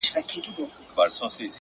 • تر حمام وروسته مي ډېر ضروري کار دی ,